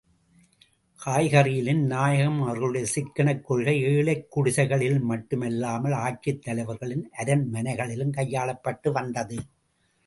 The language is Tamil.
காய்கறியிலும் நாயகம் அவர்களுடைய சிக்கனக் கொள்கை ஏழைக் குடிசைகளில் மட்டும் அல்லாமல், ஆட்சித் தலைவர்களின் அரண்மனைகளிலும் கையாளப்பட்டு வந்தது.